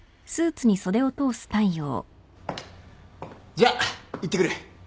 じゃあ行ってくる。